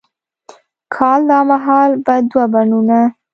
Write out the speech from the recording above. کال دا مهال به دوه بڼوڼه،